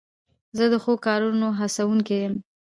زه د ښو کارونو هڅوونکی یم.